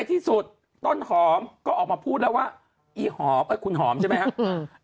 คุณหอมก็ออกมาพูดแล้วว่าอีหอมคุณหอมใช่ไหมฮะ